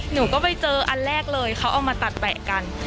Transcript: หนูก็ไปเจออันแรกเลยเขาเอามาตัดแปะกัน